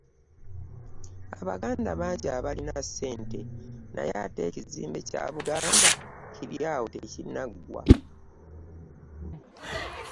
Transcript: Abaganda bangi abalina ssente naye ate ekizimbe kya Buganda kiri awo tekinnagwa.